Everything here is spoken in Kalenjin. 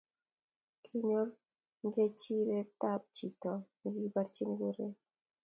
Kinyor ngecheret chito nikikabirchi kuret